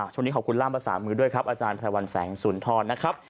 ช่วงนี้ขอบคุณล่ามภาษามือด้วยครับอาจารย์พระวันแสงสุนทรนะครับ